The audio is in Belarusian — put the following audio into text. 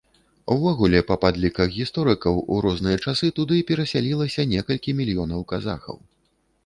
Увогуле, па падліках гісторыкаў, у розныя часы туды перасялілася некалькі мільёнаў казахаў.